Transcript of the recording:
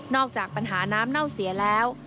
จากปัญหาน้ำเน่าเสียแล้ว